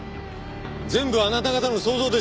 全部あなた方の想像でしょう。